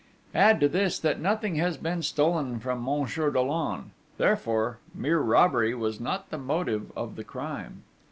Add to this that nothing has been stolen from Monsieur Dollon: therefore, mere robbery was not the motive of the crime.